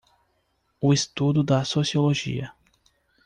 O estudo da sociologia.